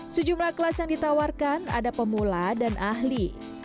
sejumlah kelas yang ditawarkan ada pemula dan ahli